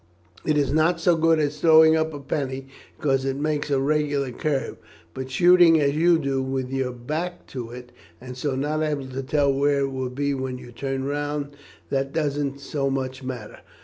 It is not so good as throwing up a penny, because it makes a regular curve; but shooting, as you do, with your back to it, and so not able to tell where it will be when you turn round, that don't so much matter."